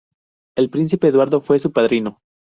El príncipe Eduardo fue su padrino.